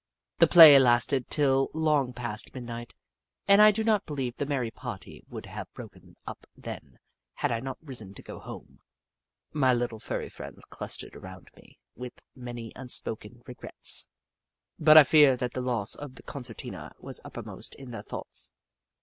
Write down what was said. The play lasted till long past midnight, and I do not believe the merry party would have broken up then had I not risen to go home. My little furry friends clustered around me with many unspoken regrets, but I fear that the loss of the concertina was uppermost in their thoughts.